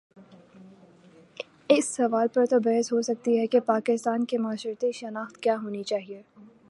اس سوال پر تو بحث ہو سکتی ہے کہ پاکستان کی معاشرتی شناخت کیا ہو نی چاہیے۔